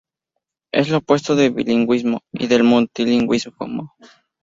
Es lo opuesto del bilingüismo y del multilingüismo.